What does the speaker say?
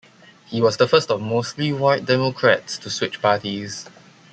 He was the first of mostly white Democrats to switch parties.